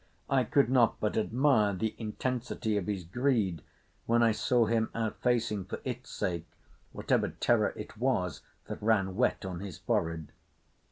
I could not but admire the intensity of his greed, when I saw him out facing for its sake whatever terror it was that ran wet on his forehead.